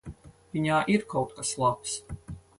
Viņā ir kaut kas labs.